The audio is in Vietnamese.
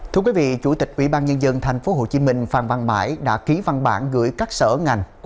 thưa quý vị chủ tịch ubnd tp hcm phan văn mãi đã ký văn bản gửi các sở ngành